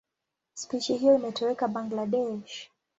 Spishi hiyo imetoweka Bangladesh.